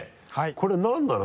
これ何なの？